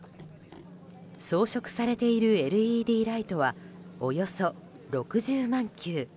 装飾されているＬＥＤライトはおよそ６０万球。